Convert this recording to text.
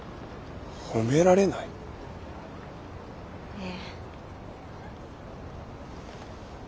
ええ。